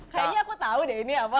kayaknya aku tahu deh ini apa